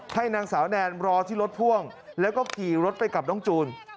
ให้นางสาวแนนรอที่รถพ่วงแล้วก็ขี่รถไปกับน้องจูน